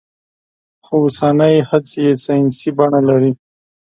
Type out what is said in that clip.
خو اوسنۍ هڅې يې ساينسي بڼه لري.